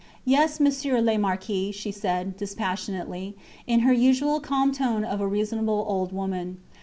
Yes, Monsieur le Marquis, she said dispassionately, in her usual calm tone of a reasonable old woman.